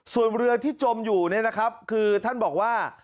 ส่วนเรือที่จมอยู่เนี่ยนะครับคือท่านบอกว่า